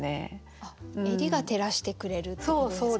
あっ襟が照らしてくれるってことですか？